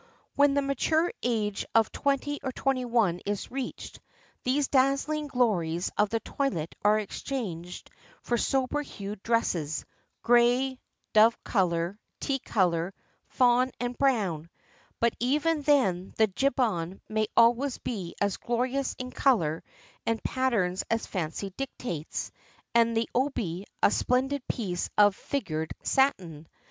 When the mature age of twenty or twenty one is reached, these dazzling glories of the toilet are exchanged for sober hued dresses, gray, dove color, tea color, fawn, and brown; but even then the jiban may always be as glorious in color and patterns as fancy dictates, and the obi a splendid piece of figured satin.